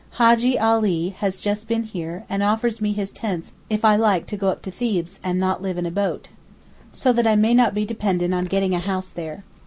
Hajjee Ali has just been here, and offers me his tents if I like to go up to Thebes and not live in a boat, so that I may not be dependent on getting a house there.